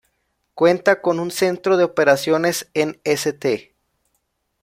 Cuenta con un centro de operaciones en St.